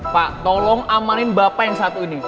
pak tolong amalin bapak yang satu ini